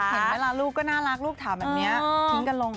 เห็นไหมล่ะลูกก็น่ารักลูกถามแบบนี้ทิ้งกันลง